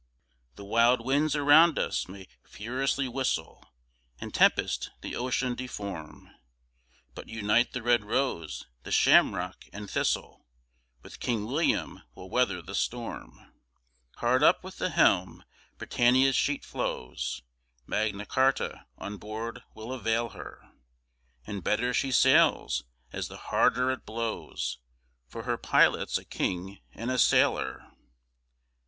The wild winds around us may furiously whistle And tempest the ocean deform, But unite the red rose, the shamrock, & thistle, With King William we'll weather the storm; Hard up with the helm, Britannia's sheet flows Magna Charta on board will avail her, And better she sails as the harder it blows, For her Pilot's a King and a Sailor.